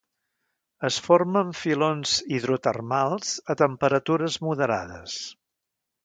Es forma en filons hidrotermals a temperatures moderades.